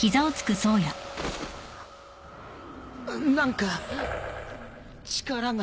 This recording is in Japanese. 何か力が。